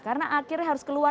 karena akhirnya harus berubah